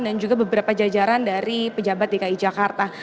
juga beberapa jajaran dari pejabat dki jakarta